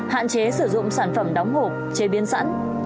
hạn chế sử dụng sản phẩm đóng hộp chế biến sẵn